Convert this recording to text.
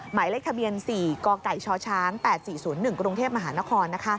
หมายเลขทะเบียน๔กกชช๘๔๐๑กรุงเทพมหานคร